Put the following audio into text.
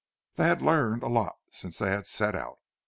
They had learned a lot since they set out.